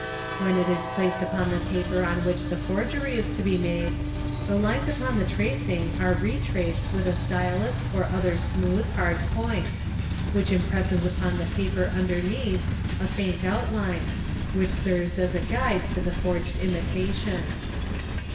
When i is placed upon the paper on which the forgery i is to be made, the lines : pon the tracing are retraced with a stylus or other smooth, hard point, ich impresses upon the paper underneath a faint outline, which serves i guide to the forged imitation.